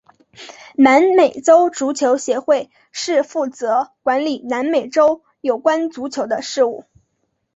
南美洲足球协会是负责管理南美洲有关足球的事务。